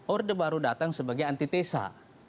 orde baru datang sebagai antitesa